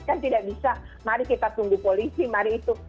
kan tidak bisa mari kita tunggu polisi mari itu